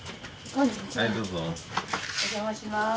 お邪魔します。